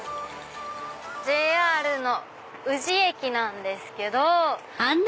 ＪＲの宇治駅なんですけど。